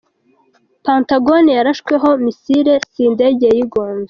Pentagon yarashweho Missile si indege yayigonze.